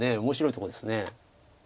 面白いとこです。